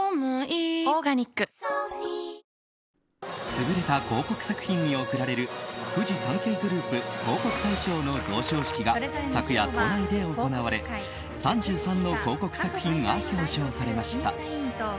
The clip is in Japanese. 優れた広告作品に贈られるフジサンケイグループ広告大賞の贈賞式が昨夜、都内で行われ３３の広告作品が表彰されました。